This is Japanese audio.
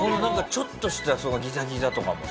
ちょっとしたそのギザギザとかもさ。